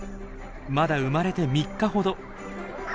まだ生まれて３日ほど。